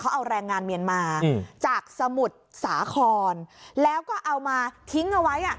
เขาเอาแรงงานเมียนมาจากสมุทรสาครแล้วก็เอามาทิ้งเอาไว้อ่ะ